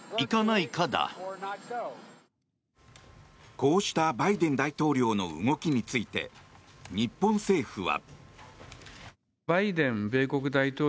こうしたバイデン大統領の動きについて日本政府は。